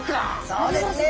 そうですね。